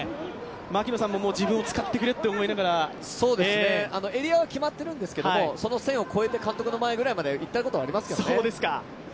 槙野さんも自分を使ってくれと思いながらエリアは決まってるんですけど監督の前ぐらいまで行ったことはありますけどね。